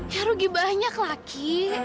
ya rugi banyak lagi